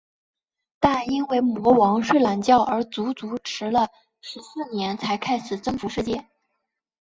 但因为魔王睡懒觉而足足迟了十四年才开始征服世界。